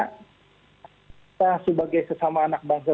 kita sebagai sesama anak bangsa